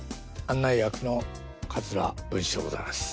案内役の桂文枝でございます。